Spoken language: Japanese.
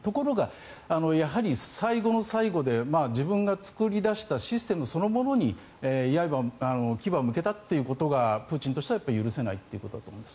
ところが最後の最後で自分が作り出したシステムそのものに牙を向けたということがプーチンとしては許せないということだと思います。